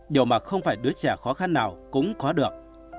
điều mà không phải đứa trẻ khó khăn nào cũng có được